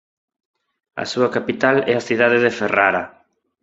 A súa capital é a cidade de Ferrara.